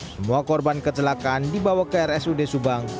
semua korban kecelakaan dibawa ke rsud subang